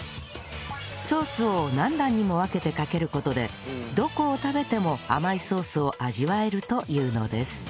ソースを何段にも分けてかける事でどこを食べても甘いソースを味わえるというのです